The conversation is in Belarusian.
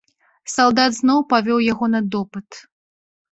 Салдат зноў павёў яго на допыт.